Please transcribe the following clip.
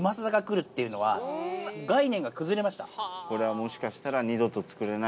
これはもしかしたら。